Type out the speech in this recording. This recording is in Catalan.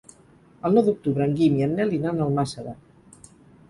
El nou d'octubre en Guim i en Nel iran a Almàssera.